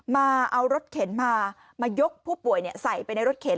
มาเอารถเข็นมามายกผู้ป่วยใส่ไปในรถเข็น